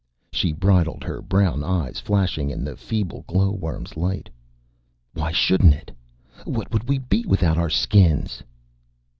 She bridled, her brown eyes flashing in the feeble glowworms' light. "Why shouldn't it? What would we be without our Skins?"